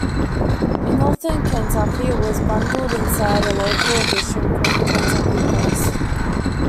In Northern Kentucky, it was bundled inside a local edition called The Kentucky Post.